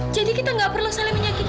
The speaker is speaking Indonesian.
jadi kita gak perlu saling menyakiti lagi